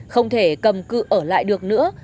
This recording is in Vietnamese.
không thể cầm cư ở lại được nữa